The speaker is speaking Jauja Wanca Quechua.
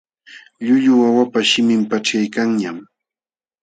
Llullu wawapa shimin paćhyaykanñam.